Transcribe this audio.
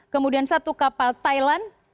kemudian satu kapal thailand